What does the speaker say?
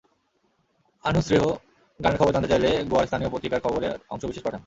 আনুশেহ্র গানের খবর জানতে চাইলে গোয়ার স্থানীয় পত্রিকার খবরের অংশবিশেষ পাঠান।